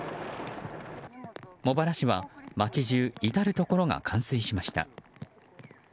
茂原市は街中至るところが冠水しました。